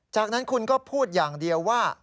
จากนั้นคุณก็พูดอย่างเดียวว่า